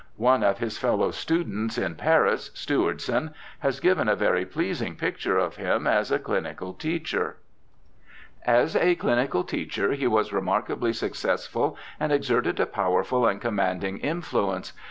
One of his fellow students in Paris, Stewardson, has given a very pleasing picture of him as a chnical teacher : *As a clinical teacher he was remarkably successful and exerted a powerful and commanding influence.